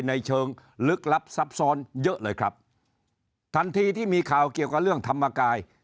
ในเชิงลึกลับซับซ้อนเยอะเลยครับทันทีที่มีข่าวเกี่ยวกับเรื่องธรรมกาย